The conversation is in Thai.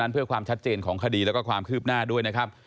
เพื่อความชัดเจนของคดีแล้วก็ความคืบหน้าด้วยนะครับ